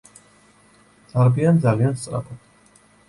დარბიან ძალიან სწრაფად.